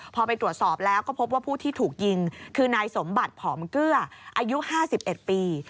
พอไปตรวจสอบแล้วก็พบว่าผู้ที่ถูกยิงคือนายสมบัติผอมเกลืออายุ๕๑ปี